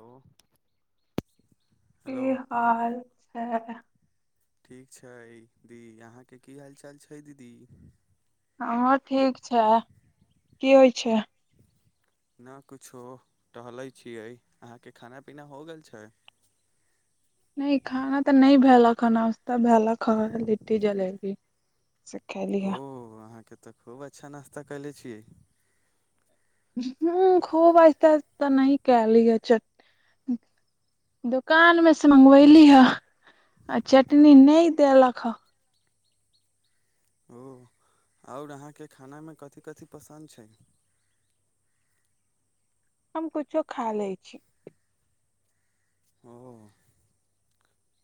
ह। कि हाल छै। ठीक छै दीदी अहाँकेँ कि हाल चाल छै दीदी हैं ठीक छै कि होइत छै ने कुछो टहलै छियै अहाँकेँ खाना पीना हो गेल छै। नहि खाना तऽ नहि भेला खाना तऽ भेल ख लिट्टी जलेबी से खैली ह ओ अहाँकेँ तऽ खूब अच्छा नाश्ता कले छियै ह खो वास तऽ नहि क लीय च दुकान मे से मँगबेली ह आ चटनी नहि देलक हे ओ। आओर अहाँकेँ खानामे कथी कथी पसन्द छै। हम किुछो खा लै छी। ओ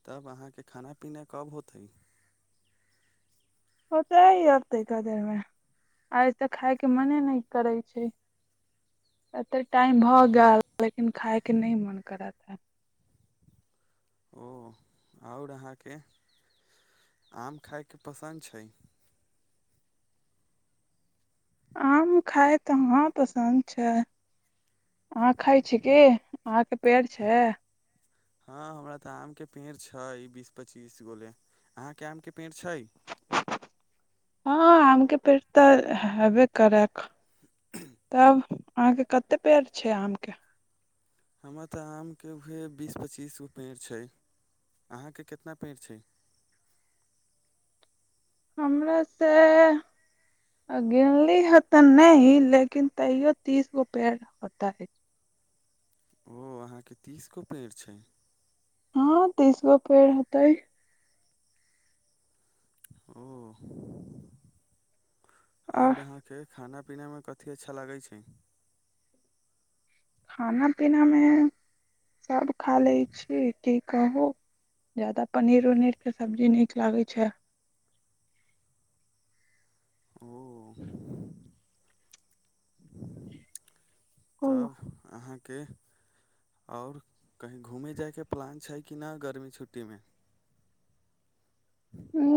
तब अहाँकेँ खाना पीना कब होतै ओ तऽ आतै कऽ देमे। आइ ते खाय के मने नहि करे छै एतेक टाइम भऽ ओ गेल लेकिन खायके नहि मोन करत हैं। ओ आओर अहाँकेँ आम खायके पसन्द छै आम खाय तऽ हँ पसन्द छै। अहाँ खाय छी की अहाकेँ पेड़ छै हँ हमरा तऽ आम के पेड़ छै बीस पच्चीस गोले अहाँकेँ आम के पेड़ छै। हँ आम के पेट तऽ हब कर तब अहाँकेँ कते पेड़ छै आम के हमरा तऽ आमके उह बीस पच्चीस गो पेड़ छै अहाँकेँ कितना पेड़ छै। हमर से। अ गिनली ते नहि लेकिन तैयो तीस गो पेड़ होता हे ओ अहाँकेँ तीसगो पेड़ छै। हँ तीस गो पेड़ होतै। आ आ और आहा के खाना पीना मे कथि अच्छा लागै छै। खाना पीना मे सभ खा ले छी। कहू जादा पनीर उनीरके सब्जी नीक लागैत छै। ओ। तब अहाँ। के आओर कही घूमै जाइके प्लान छै कि नहि गर्मी छुट्टी मे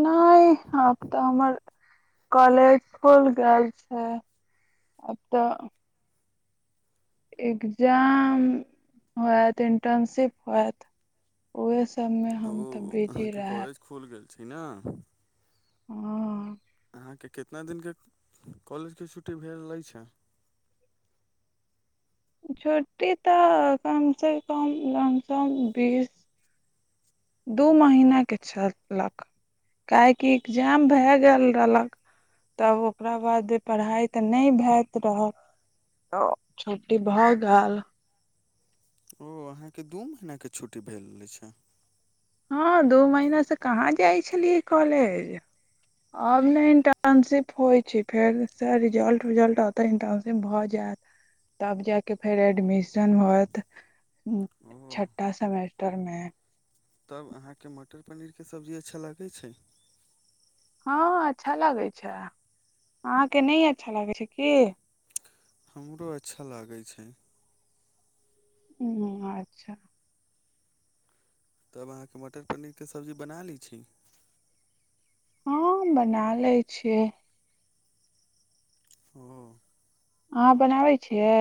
नहि आब तऽ हमर कॉलेज खुल गेल छै। आब त। एग्जाम हएत इंटर्नशिप होएत। उहे सभमे हम तऽ बिजी रहे। खुलि गेल छै ने। ह। अहाँकेँ कितना दिनके कॉलेजके छुट्टी भेल रहलै छै। छुट्टी तऽ कमसँ कम लमसम बीस। दू महीने छल कऽ काहेकि ए्जाम भए गेल रहलक तब ओकरा बाद पढ़ाइ तऽ नहि भइत रहय। त छुट्टी भऽ गेल। ओ अहाँकेँ दू महीन के छुट्टी भेल छै। ह दू महिनासँ कहाँ जाइ छलियै कॉलेज। आब ने इंटर्नशिप होई छै फेर से रिजल्टजलट त इंटर्नशिप भऽ जायत तब जा के फेर एडमिशन होत। ओ छठटा सेमेस्टर मे। तब अहाँकेँ मटर पनीर के सब्जी अच्छा लागै छै। हँ अच्छा लागैत छै अहाँकेँ नहि अच्छा लागैत छै की हमरो अच्छा लागैत छै। ह अच्छा। तब अहाँकेँ मटर पनीरके सब्जी बना लै छी हँ बना लै छियै। ह। अहाँ बनाबै छियै।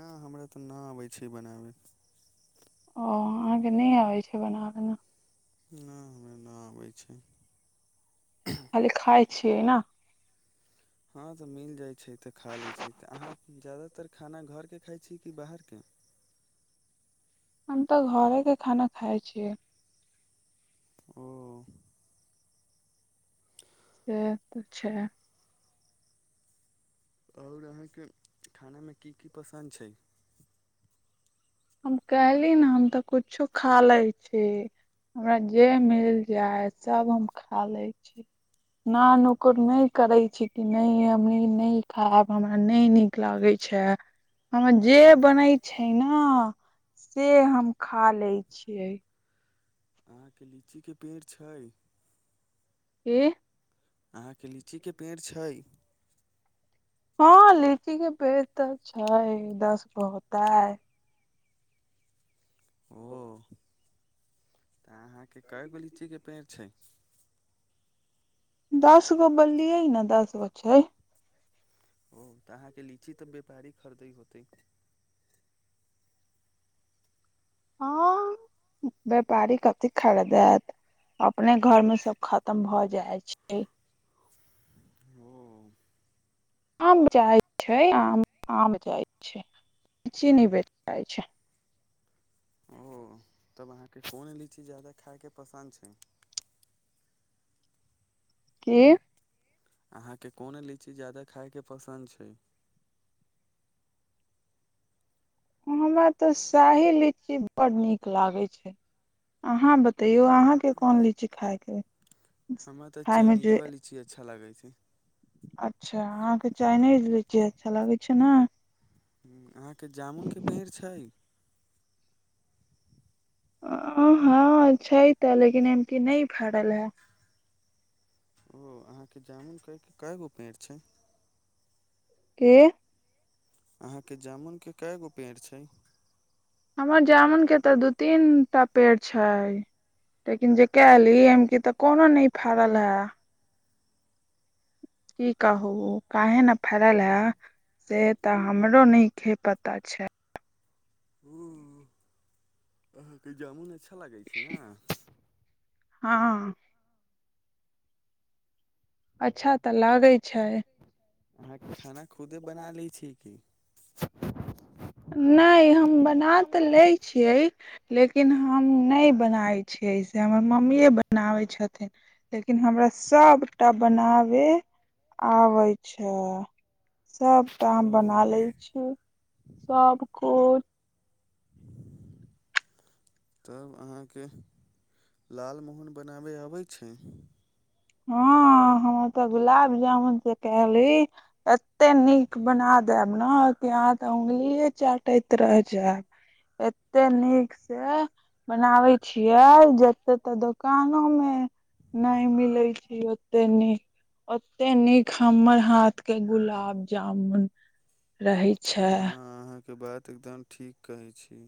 नहि हमरा तऽ नहि अबैत छै बनाबैत। ओ अहाँकेँ नहि आबैत छै बनाबैमे नहि हमे नहि आबै छै। खाली खाइ छिये ने। ह तऽ मिल जाइत छै तऽ खा लै छै तऽ अहाँ ज्यदातर खाना घर के खाइ छी कि बाहर के हम तऽ घरे के खाना खाइ छियै आओर। त। से अच्छा छै। आओर अहाँकेँ खानामे कि कि पसन्द छै। हम कहली ने हम तऽ कुछो खाले छी। हमरा जे मिल जाय सभ हम खाले छी। न नुकुर नहि करे छी कि नहि हम ने खायब हमरा नहि नीक। नीक लागे छै हमे तऽ जे अहाँके बनै छै न। से हम खाले छियै। अहाँकेँ लीचीके पेड़ छै। कि अहाँकेँ लीचीक के पेड़ छै। हँ लीचीके पेड़ तऽ छै दस गो होता हैं। ओ तऽ अहाँकेँ कय गो लीची के पेड़ छै। दसगो बल्ली हइ ने दसगो छै। ओ तऽ अहाँकेँ लीची तऽ व्यापारी खरीदै होतै हँ। व्यापारी कथि खरीदत अपने घर मे सभ खतम भ जाय छै ओ। आम जाइ छै आम आम जाइ छै लीचीनी बेच जाइ छै ओऽह तब अहाँके कोन लीची जा्यादा खायके पसन्द छै कि अहाँकेँ कोन लीची ज्यादा खायके पसन्द छै हमरा तऽ शाही लीची बड नीक लागै छै अहाँ बतैयो अहाँ के कोन लीची खायके यै हमरा तऽ चाइनीजवा लीची अच्छा लगै छै अच्छा अहाँके चाइनीज लीची अच्छा लगै छै नै हूं अहाँके जामुन के पेड़ छै हँ छै तऽ लेकिन एमकी नय भरल हेय ओ अहाँके जामुन कय कय गो पेड़ छै के अहाँके जामुन के कय गो पेड़ छै हमर जामुन के तऽ दू तीन ता पेड़ छै लेकिन जे कैली एम की तऽ कोनो नै फड़ल हेय की कहू काहे न फरल हे से तऽ हमरो नहिखे पता छै हू अहाँके जामुन अच्छा लागै छै ने हँ अच्छा तऽ लागै छै अहाँ खाना खुदे बना लै छीयै की नै हम बना तऽ लै छियै लेकिन हम नहि बनाय छियै से हमर मम्मिए बनाबै छथिन लेकिन हमरा सभटा बनाबे आवै छै सब टा ओ हम बना लेबे छीयै सबकुच [inaudible] तब अहाँके लाल मोहन बनाबय अबै छै [inaudible] हं तऽ गुलाब जामुन जे केहली अते नीक बना देय्ब न कि अहाँ तऽ अंगुलिए चाटैत रह जायब एते नीक से बनाबै छियै जते तऽ दोकानो मे नै मिलै छै ओते नीक ओते नीक हमर हाथ के गुलाब जामुन रहै छै हँ अहाँके बात एकदम ठीक कहै छी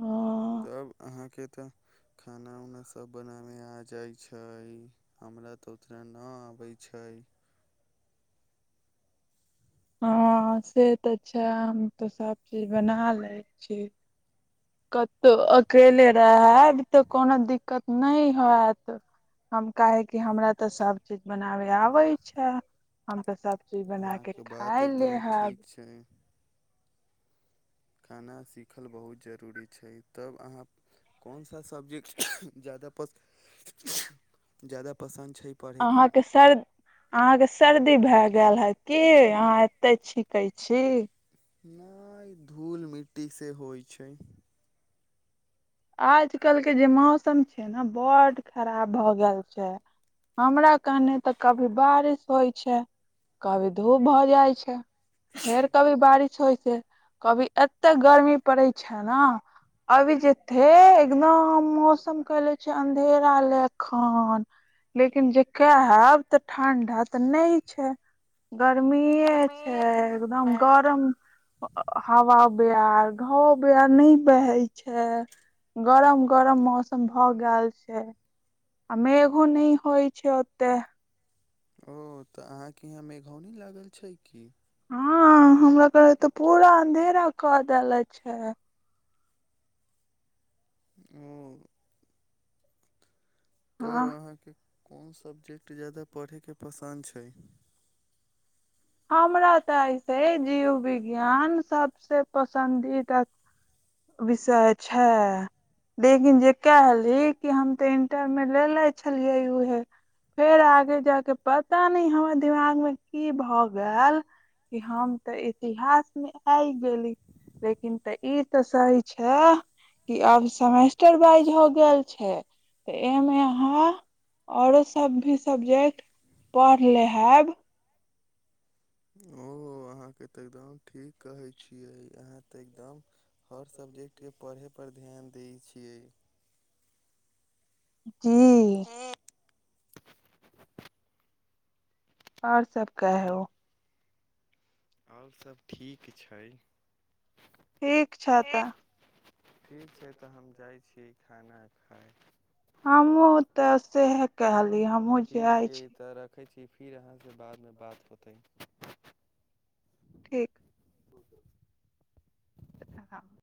ह तब अहाँके तऽ खाना उना सभ बनाबे आ जाइ छै हमरा तऽ उतना न अबै छै हँ से तऽ छैहम तो सब चीज बना लै छी कतौ अकेले [unintelligible] कोनो दिक्कत नहि हत हम काहेकि हमरा तऽ सब सब चीज बनाबे आबे छै हम तऽ सब चीज बना के अहाँके बात खाय एकदम लेहब ठीक छै खाना सीखल बहुत जरूरी छै तब आहाँ कोन सा सब्जी जादा पस जादा पसन्द छै पढ़ैके अहाँकेँ सर अहाँकेँ सर्दी भए गेल हे कि अहाँ एते छिके छी। नहि धूल मिट्टीसँ होइ छै। आज कल के जे मौसम छै ने बड़ खराब भऽ गेल छै हमरा कहने तऽ कभी बारिश होई छै कभी धूप भऽ जाइ छै। करे कभी बारिश होइ छै। कभी एते गर्मी पड़ै छै। ने अभी जे हे एकदम मौसम केले छै अधेरा लेखन लेकिन जे कहब ते ठंडा तऽ नहि छै। गर्मी छै एकदम गरम। हवा बहार घव बहार नहि बहे छै। गरम गरम मौसम भए गेल छै। अमे एगो नहि होइ छै ओतेकऽ ओ तऽ अहाँकेँ यहाँ मेघौनी लागल छै की हँ हमरा कर तऽ पूरा अधेरा कऽ देले छै। ओ। हँ तब अहाँकेँ कोन सब्जेक्ट जादा पढ़ैके पसन्द छै हमरा तऽ ऐसे जीवविज्ञान सभसँ पसन्दीदा। विषय छै। लेकिन जे कहली कि हम ते इंटर मे लेने छलियै उहे। फेर आगे जा के पता नहि हमर दिमाग मे की भए गेल कि हम तऽ इतिहास मे आइ गेली लेकिन त ई त सही छै कि आब सेमेस्टर वाइज हो गेल छै तऽ एहिमे अहाँ औरो सभ भी सब्जेक्ट पढ़ ले हब। ओ अहाँकेँ तऽ एकदम ठीक कहै छियै अहाँ तऽ एकदम हर सब्जेक्टके पढ़ै पर ध्यान दै छियै। ह। ह। आओर सभ कहहो आओर सभ ठीक छै। ठीक छै तऽ ठीक छै तऽ हम जाइ छियै खाना खाय हमहु तऽ सेहे कहली। हमहूँ ठीक जाइ छै छी तऽ रखै छी फिर अहाँ से बादमे बात होतै ठीक। ह।